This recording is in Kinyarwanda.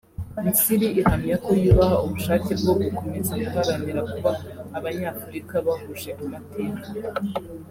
Misiri ihamya ko yubaha ubushake bwo gukomeza guharanira kuba Abanyafurika bahuje amateka